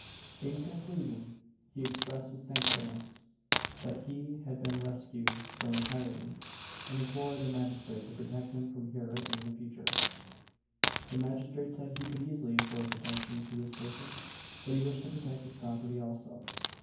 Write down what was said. In conclusion, he expressed his thankfulness that he had been rescued from her tyranny, and implored the magistrate to protect him from her in future. The magistrate said he could easily afford protection to his person, but he wished to protect his property also.